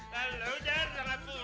lalu jarang pulang